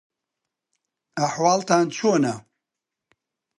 ئەحواڵتان چۆنە؟